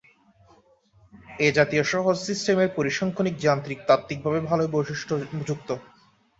এ জাতীয় সহজ সিস্টেমের পরিসংখ্যানিক যান্ত্রিক তাত্ত্বিকভাবে ভাল বৈশিষ্ট্যযুক্ত।